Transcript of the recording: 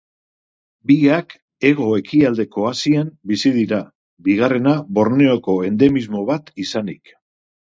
Biak hego-ekialdeko Asian bizi dira, bigarrena Borneoko endemismo bat izanik.